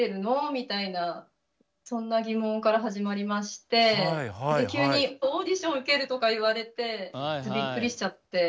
みたいなそんな疑問から始まりまして急にオーディション受けるとか言われてびっくりしちゃって。